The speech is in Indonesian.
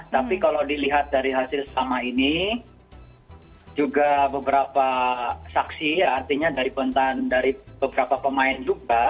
tapi kalau dilihat dari hasil selama ini juga beberapa saksi artinya dari beberapa pemain juga